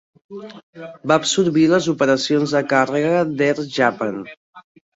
Va absorbir les operacions de càrrega d'Air Japan.